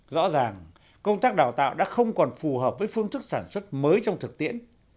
rõ ràng công tác đào tạo đã không còn phù hợp với phương thức sản xuất mới trong thực tiễn